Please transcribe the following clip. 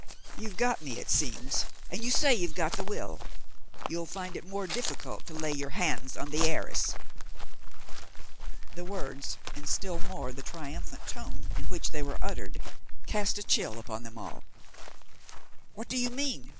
You've got me, it seems, and you say you've got the will. You'll find it more difficult to lay your hands on the heiress!" The words and still more the triumphant tone in which they were uttered cast a chill upon them all. "What do you mean?"